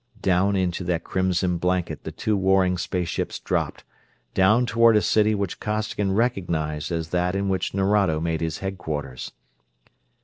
Down into that crimson blanket the two warring space ships dropped, down toward a city which Costigan recognized as that in which Nerado made his headquarters.